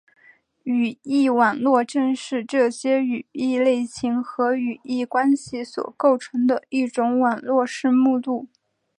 语义网络正是这些语义类型和语义关系所构成的一种网络式目录。